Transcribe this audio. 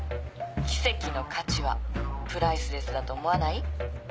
奇跡の価値はプライスレスだと思わない？